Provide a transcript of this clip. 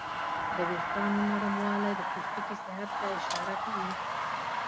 د وېښتیانو نرموالی د پوستکي صحت ته اشاره کوي.